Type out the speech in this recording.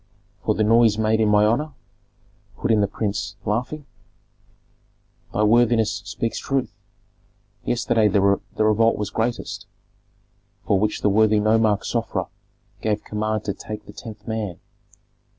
"For the noise made in my honor?" put in the prince, laughing. "Thy worthiness speaks truth. Yesterday the revolt was greatest, for which the worthy nomarch Sofra gave command to take the tenth man.